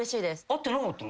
会ってなかったの？